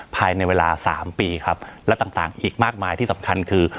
ภายในเวลาสามปีครับและต่างต่างอีกมากมายที่สำคัญคือ